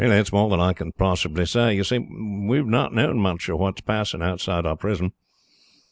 "That is more than I can possibly say. You see, we have not known much of what is passing outside our prison.